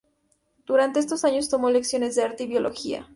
Durante esos años, tomó lecciones de Arte y Biología.